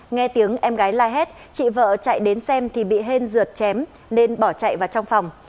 nghe tiếng em gái la hét chị vợ chạy đến xem thì bị hen dượt chém nên bỏ chạy vào trong phòng